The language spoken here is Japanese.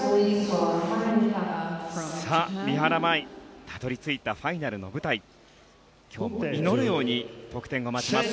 三原舞依たどり着いたファイナルの舞台祈るように得点を待ちます。